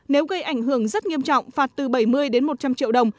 nếu gây ảnh hưởng rất nghiêm trọng phạt từ bảy mươi đến bảy mươi triệu đồng